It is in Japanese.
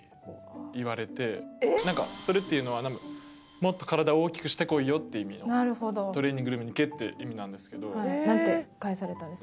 なんかそれっていうのは「もっと体を大きくしてこいよ！」っていう意味の「トレーニングルームに行け！」っていう意味なんですけど。